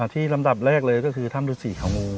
ลำดับแรกเลยก็คือถ้ำฤษีเขางู